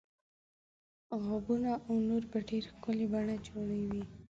غابونه او نور په ډیره ښکلې بڼه جوړوي.